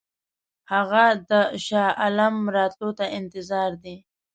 هغه د شاه عالم راتلو ته انتظار دی.